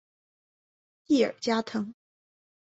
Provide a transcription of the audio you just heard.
蒂尔加滕。